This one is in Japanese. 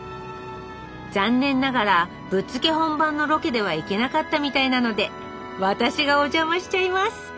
残念ながらぶっつけ本番のロケでは行けなかったみたいなので私がお邪魔しちゃいます。